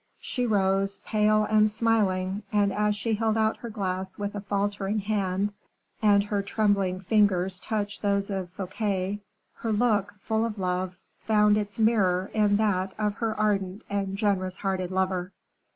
She rose, pale and smiling; and as she held out her glass with a faltering hand, and her trembling fingers touched those of Fouquet, her look, full of love, found its mirror in that of her ardent and generous hearted lover.